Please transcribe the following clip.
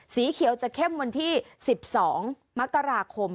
สีเขียวจะเข้มวันที่๑๒มกราคม